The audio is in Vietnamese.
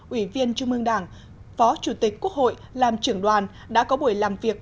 ủy viên trung ương đảng phó chủ tịch quốc hội làm trưởng đoàn đã có buổi làm việc